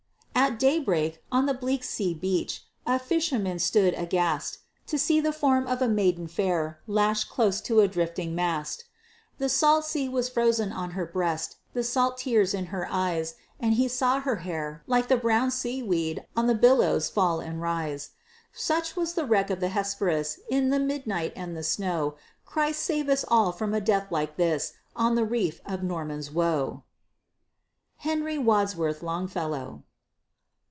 At daybreak, on the bleak sea beach, A fisherman stood aghast, To see the form of a maiden fair, Lashed close to a drifting mast. The salt sea was frozen on her breast, The salt tears in her eyes; And he saw her hair, like the brown sea weed, On the billows fall and rise. Such was the wreck of the Hesperus, In the midnight and the snow! Christ save us all from a death like this, On the reef of Norman's Woe! HENRY WADSWORTH LONGFELLOW.